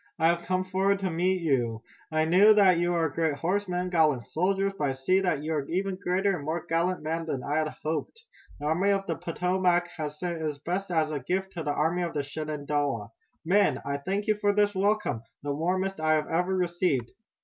I have come forward to meet you! I knew that you were great horsemen, gallant soldiers, but I see that you are even greater and more gallant men than I had hoped. The Army of the Potomac has sent its best as a gift to the Army of the Shenandoah. Men, I thank you for this welcome, the warmest I have ever received!"